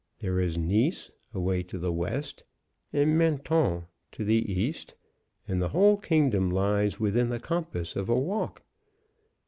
There is Nice away to the west, and Mentone to the east, and the whole kingdom lies within the compass of a walk.